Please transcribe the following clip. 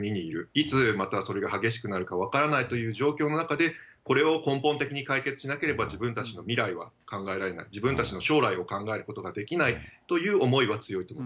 いつ、またそれが激しくなるか分からないという状況の中で、これを根本的に解決しなければ、自分たちの未来は考えられない、自分たちの将来を考えることができないという思いは強いと。